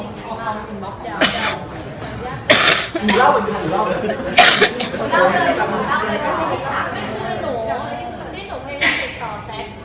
เจตนาแหละจริง